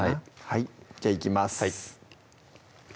はいじゃあいきます